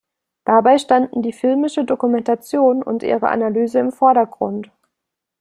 Dabei standen die filmische Dokumentation und ihre Analyse im Vordergrund.